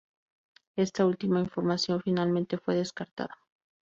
Esta última información finalmente fue descartada.